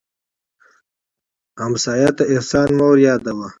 ګاونډي ته احسان مه یادوه